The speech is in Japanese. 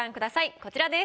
こちらです。